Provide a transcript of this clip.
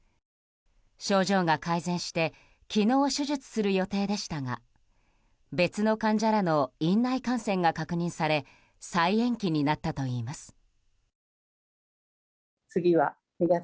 症状が改善して昨日手術する予定でしたが別の患者らの院内感染が確認され再延期になったといいます。